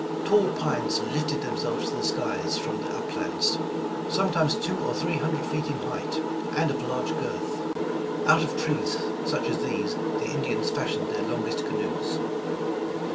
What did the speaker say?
Tall pines lifted them selves to the skies from the uplands, sometimes two or three hundred feet in height, and of large girth. Out of trees such as these the Indians fashioned their longest canoes.